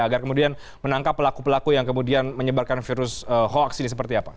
agar kemudian menangkap pelaku pelaku yang kemudian menyebarkan virus hoax ini seperti apa